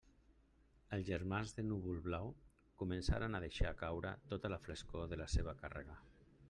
Els germans de Núvol-Blau començaren a deixar caure tota la frescor de la seua càrrega.